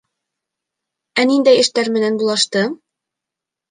Ә ниндәй эштәр менән булаштың?